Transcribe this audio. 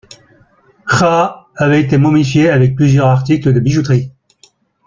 Khâ avait été momifié avec plusieurs articles de bijouterie.